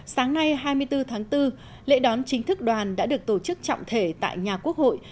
sáng nay hai mươi bốn tháng bốn lễ đón chính thức đoàn đã được tổ chức trọng thể tại nhà quốc hội